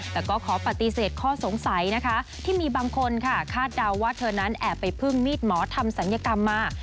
แต่ก็ขอปฏิเสธข้อสงสัยนะคะที่มีบางคนค่ะคาดเดาว่าเธอนั้นแอบไปพึ่งมีดหมอทำศัลยกรรมมา